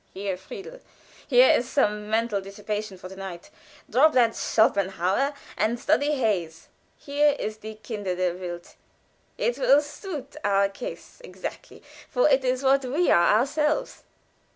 "Here, Friedel; here is some mental dissipation for to night. Drop that Schopenhauer, and study Heyse. Here is 'Die Kinder der Welt;' it will suit our case exactly, for it is what we are ourselves."